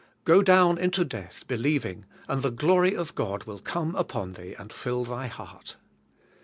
Go down into death believing, and the glory of God will come upon thee, and till thy heart.